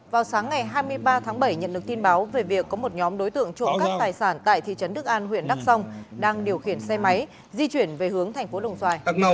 vào sáng ngày hai mươi ba tháng bảy nhận được tin báo về việc có một nhóm đối tượng trộm cắp tài sản tại thị trấn đức an huyện đắk song đang điều khiển xe máy di chuyển về hướng thành phố đồng xoài